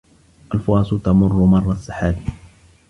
الفُرَصُ تَمُرُّ مَرَّ السحاب